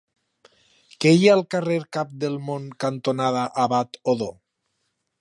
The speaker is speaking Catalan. Què hi ha al carrer Cap del Món cantonada Abat Odó?